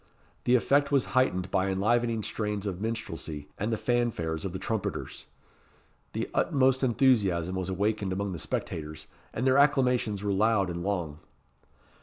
The effect was heightened by enlivening strains of minstrelsy, and the fanfares of the trumpeters. The utmost enthusiasm was awakened among the spectators, and their acclamations were loud and long.